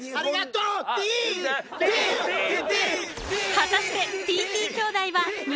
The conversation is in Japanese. ［果たして］